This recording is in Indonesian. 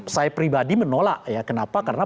saya pribadi menolak ya kenapa karena